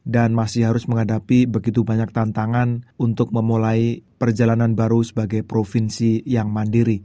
dan masih harus menghadapi begitu banyak tantangan untuk memulai perjalanan baru sebagai provinsi yang mandiri